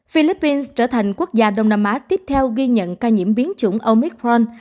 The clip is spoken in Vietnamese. philippines trở thành quốc gia đông nam á tiếp theo ghi nhận ca nhiễm biến chủng omicron